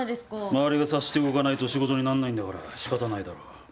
周りが察して動かないと仕事になんないんだからしかたないだろ。